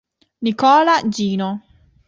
Nikola Gino